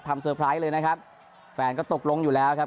ทำเลยนะครับแฟนก็ตกลงอยู่แล้วครับ